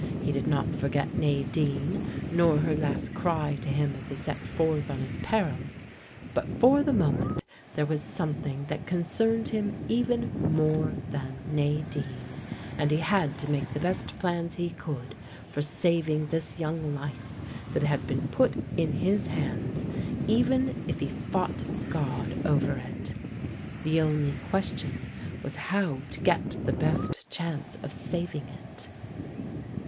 He did not forget Nadine nor her last cry to him as he set forth on his peril, but for the moment there was something that concerned him even more than Nadine, and he had to make the best plans he could for saving this young life that had been put in his hands, even if he fought God over it. The only question was how to get the best chance of saving it.